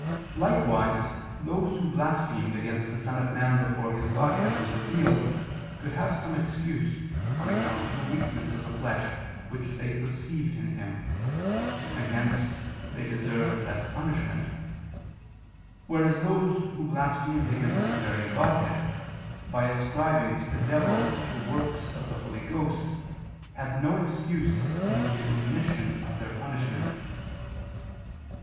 Likewise those who blasphemed against the Son of Man before His Godhead was revealed, could have some excuse, on account of the weakness of the flesh which they perceived in Him, and hence, they deserved less punishment; whereas those who blasphemed against His very Godhead, by ascribing to the devil the works of the Holy Ghost, had no excuse in diminution of their punishment.